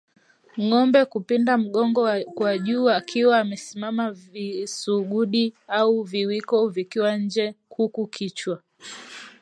Ng'ombe kupinda mgongo kwa juu akiwa amesimama visugudi au viwiko vikiwa nje huku kichwa